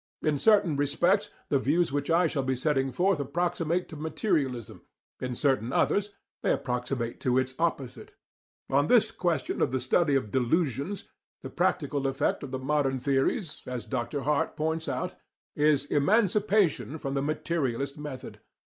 In certain respects, the views which I shall be setting forth approximate to materialism; in certain others, they approximate to its opposite. On this question of the study of delusions, the practical effect of the modern theories, as Dr. Hart points out, is emancipation from the materialist method.